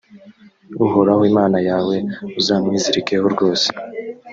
uhoraho imana yawe uzamwizirikeho rwose.